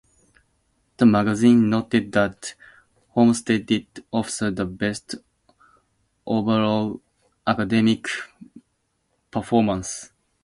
The magazine noted that Homestead offered the "Best Overall Academic Performance".